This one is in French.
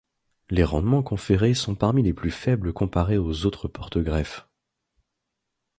Les rendements conférés sont parmi les plus faibles comparé aux autres porte-greffes.